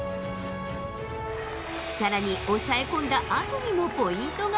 更に抑え込んだあとにもポイントが。